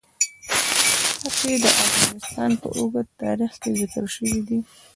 ښتې د افغانستان په اوږده تاریخ کې ذکر شوی دی.